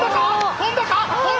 跳んだか？